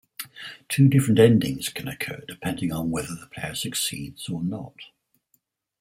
Two different endings can occur, depending on whether the player succeeds or not.